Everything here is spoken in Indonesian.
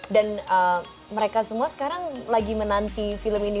dan mereka semua sekarang lagi menanti film ini